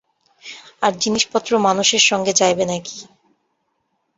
আর, জিনিসপত্র মানুষের সঙ্গে যাইবে না কি।